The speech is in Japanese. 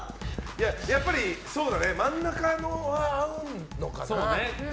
やっぱり真ん中は合うのかな。